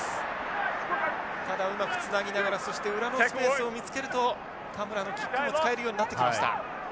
ただうまくつなぎながらそして裏のスペースを見つけると田村のキックも使えるようになってきました。